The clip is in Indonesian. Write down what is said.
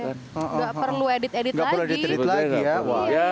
gak perlu edit edit lagi ya